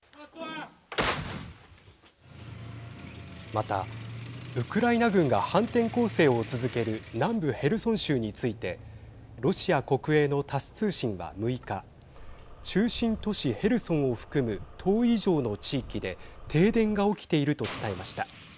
また、ウクライナ軍が反転攻勢を続ける南部ヘルソン州についてロシア国営のタス通信は６日中心都市ヘルソンを含む１０以上の地域で停電が起きていると伝えました。